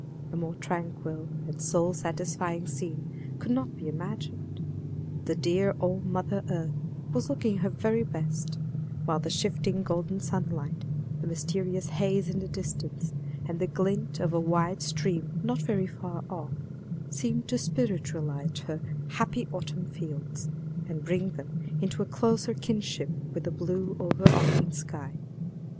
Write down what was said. A more tranquil and soul satisfying scene could not be imagined: the dear old mother earth was looking her very best; while the shifting golden sunlight, the mysterious haze in the distance, and the glint of a wide stream not very far off, seemed to spiritualize her "happy autumn fields," and bring them into a closer kinship with the blue over arching sky.